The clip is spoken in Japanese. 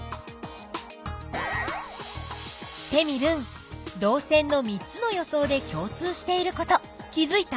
テミルン導線の３つの予想で共通していること気づいた？